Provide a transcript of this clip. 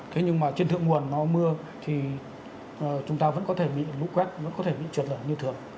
thế nhưng mà trên thượng nguồn nó mưa thì chúng ta vẫn có thể bị lũ quét nó có thể bị trượt lở như thường